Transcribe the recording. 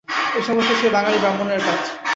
এ সমস্ত সেই বাঙালি ব্রাহ্মণের কাজ।